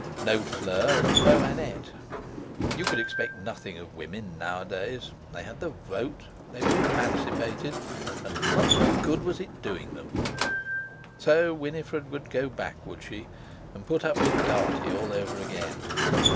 No Fleur, and no Annette! You could expect nothing of women nowadays! They had the vote. They were "emancipated," and much good it was doing them! So Winifred would go back, would she, and put up with Dartie all over again?